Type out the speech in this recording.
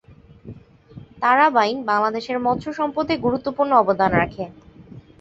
তারা বাইন বাংলাদেশের মৎস্য সম্পদে গুরুত্বপূর্ণ অবদান রাখে।